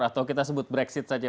atau kita sebut brexit saja